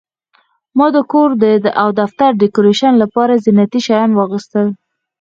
ما د کور او دفتر د ډیکوریشن لپاره زینتي شیان واخیستل.